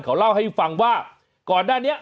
เขาเล่าให้ฟังว่าก่อนหน้านี้